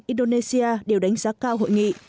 indonesia đều đánh giá cao hội nghị